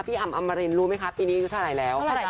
พี่อ๋อมอำมารินรู้ไหมคะปีนี้เท่าไหร่แล้ว